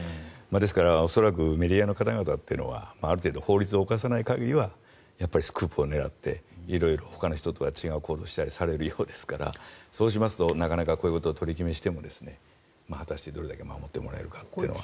恐らくメディアの方々というのはある程度、法律を侵さない限りはスクープを狙って色々ほかの人とは違う行動をされたりするようですからそうしますと、なかなかこういう取り決めをしても守ってもらえるかというのは。